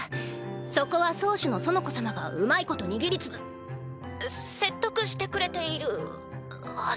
そこは宗主の園子様がうまいこと握り潰説得してくれているはず。